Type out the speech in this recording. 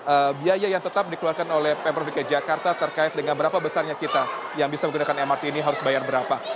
apa biaya yang tetap dikeluarkan oleh pemprov dki jakarta terkait dengan berapa besarnya kita yang bisa menggunakan mrt ini harus bayar berapa